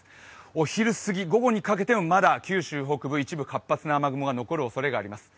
お昼過ぎ、午後にかけてもまだ九州北部、一部、活発な雨雲が残る可能性があります。